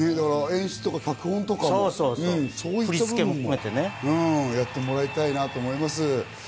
演出とか脚本とかもそういうのをやってもらいたいなと思います。